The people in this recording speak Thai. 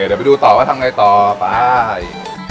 เดี๋ยวไปดูต่อว่าทำไงต่อไป